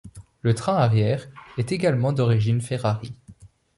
Le train arrière est également d'origine Ferrari.